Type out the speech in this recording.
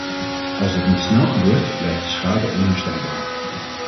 Als dat niet snel gebeurt, blijft de schade onherstelbaar.